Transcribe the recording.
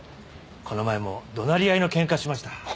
この間も怒鳴り合いの喧嘩しました。